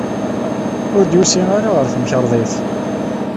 Ur d-yusi ara ɣer temkarḍit.